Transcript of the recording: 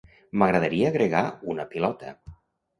M'agradaria agregar una pilota.